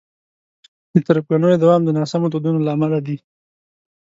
د تربګنیو دوام د ناسمو دودونو له امله دی.